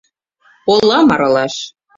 Олам аралаш!